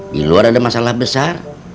di luar ada masalah besar